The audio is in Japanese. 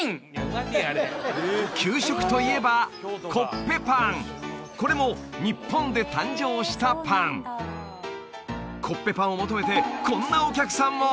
給食といえばコッペパンこれも日本で誕生したパンコッペパンを求めてこんなお客さんも！